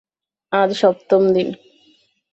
আজ সপ্তম দিন।